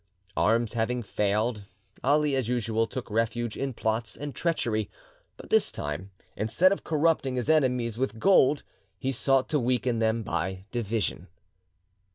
Arms having failed, Ali, as usual, took refuge in plots and treachery, but this time, instead of corrupting his enemies with gold, he sought to weaken them by division.